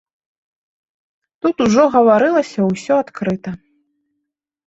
Тут ужо гаварылася ўсё адкрыта.